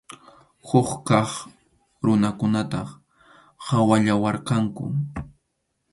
Huk kaq runakunataq qhawallawarqanku.